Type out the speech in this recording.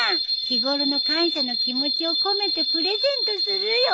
日頃の感謝の気持ちを込めてプレゼントするよ。